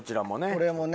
これもね